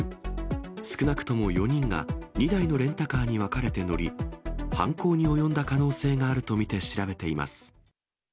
少なくとも４人が２台のレンタカーに分かれて乗り、犯行に及んだ可能性があると見て調べています。